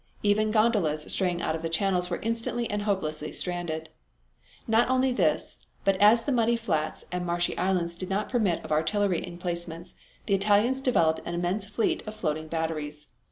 Even gondolas straying out of the channels were instantly and hopelessly stranded. Not only this, but as the muddy flats and marshy islands did not permit of artillery emplacements the Italians developed an immense fleet of floating batteries.